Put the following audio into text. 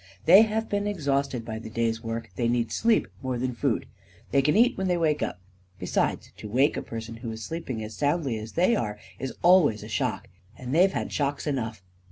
They have been exhausted by the day's work — they need sleep more than food. They can eat when they wake up. Besides, to wake a person who is sleeping as soundly as they are is always a shock. And they've had shocks enough."